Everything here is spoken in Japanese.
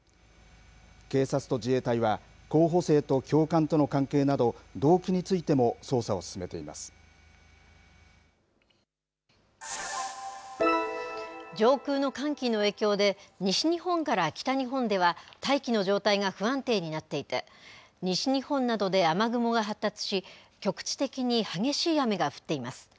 警察と自衛隊は候補生と教官との関係など動機についても上空の寒気の影響で西日本から北日本では大気の状態が不安定になっていて西日本などで雨雲が発達し局地的に激しい雨が降っています。